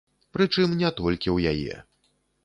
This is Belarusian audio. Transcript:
Прычым не толькі ў яе.